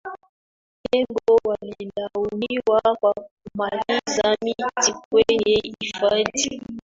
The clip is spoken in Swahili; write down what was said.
tembo walilaumiwa kwa kumaliza miti kwenye hifadhi